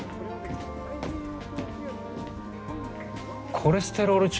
コレステロール値？